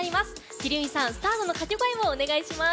鬼龍院さん、スタートの掛け声をお願いします。